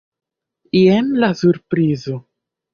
Jen la surprizo.